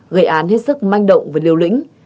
gây án hết sức manh động với lưu lĩnh